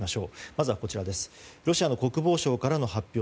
まずはロシアの国防省からの発表。